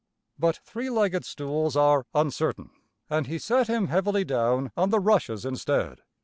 But three legged stools are uncertain, and he sat him heavily down on the rushes instead.